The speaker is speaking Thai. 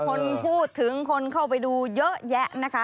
คนพูดถึงคนเข้าไปดูเยอะแยะนะคะ